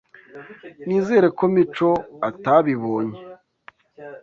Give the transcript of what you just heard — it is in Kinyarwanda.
Nizere ko Mico atabibonye.